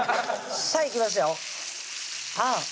さぁいきますよ